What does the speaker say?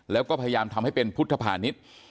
แล้วก็พยายามทำให้เป็นพุทธภานิษฐ์